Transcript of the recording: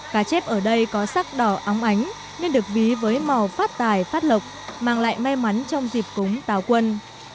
cá chép ở đây có sắc đỏ óng ánh nên được ví với màu phát tài phát lộc mang lại may mắn trong dịp cúng táo quân